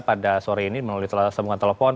pada sore ini melalui sambungan telepon